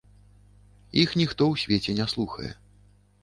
Іх ніхто ў свеце не слухае.